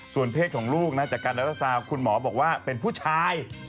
ส่วนเพศของลูกนะจากการระเบิดทราบคุณหมอบอกว่าเป็นผู้ชาย